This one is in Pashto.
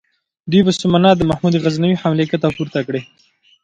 دوی په سومنات د محمود غزنوي حملې کته پورته کړې.